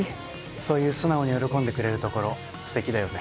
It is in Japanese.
そういう素直に喜んでくれるところ素敵だよね。